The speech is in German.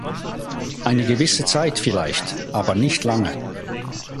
Eine gewisse Zeit vielleicht, aber nicht lange.